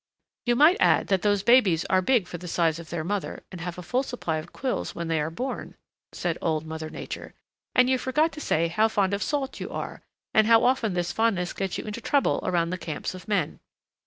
"You might add that those babies are big for the size of their mother and have a full supply of quills when they are born," said Old Mother Nature. "And you forgot to say how fond of salt you are, and how often this fondness gets you into trouble around the camps of men.